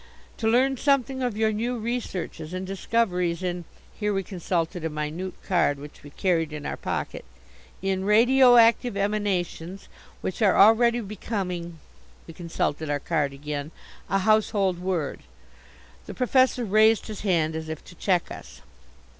"To learn something of your new researches and discoveries in" (here we consulted a minute card which we carried in our pocket) "in radio active emanations which are already becoming" (we consulted our card again) "a household word " The Professor raised his hand as if to check us.